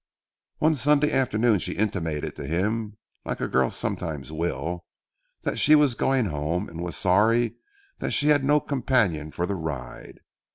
"One Sunday afternoon she intimated to him, like a girl sometimes will, that she was going home, and was sorry that she had no companion for the ride.